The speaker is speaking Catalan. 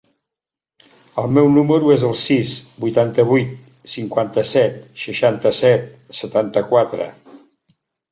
El meu número es el sis, vuitanta-vuit, cinquanta-set, seixanta-set, setanta-quatre.